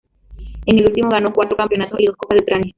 En el último ganó cuatro campeonatos y dos Copas de Ucrania.